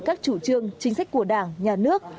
các chủ trương chính sách của đảng nhà nước